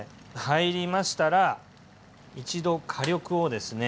入りましたら一度火力をですね